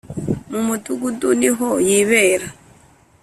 Mu mudugudu ni ho yibera